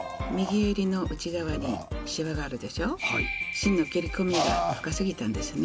芯の切り込みが深すぎたんですね。